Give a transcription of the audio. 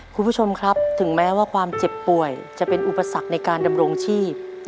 คุณผู้ชมครับถึงแม้ว่าความเจ็บป่วยจะเป็นอุปสรรคในการดำรงชีพ